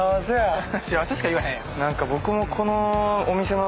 幸せしか言わへんやん。